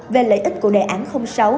về lợi ích của đề án sáu